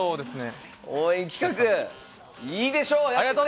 応援企画、いいでしょう！